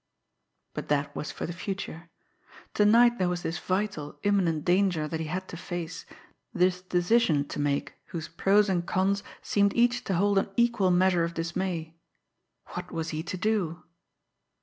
But that was for the future. To night there was this vital, imminent danger that he had to face, this decision to make whose pros and cons seemed each to hold an equal measure of dismay. What was he to do?